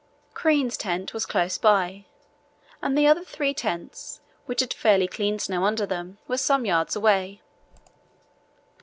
Crean's tent was close by, and the other three tents, which had fairly clean snow under them, were some yards away.